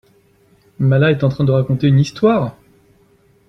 Mala est en train de raconter une histoire ?